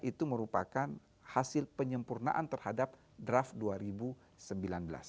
itu merupakan hasil penyempurnaan terhadap draft rkuhp